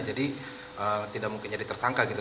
jadi tidak mungkin jadi tersangka gitu